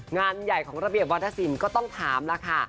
งานใหญ่ของระเบียบวัฒนศิลป์ก็ต้องถามแล้วค่ะ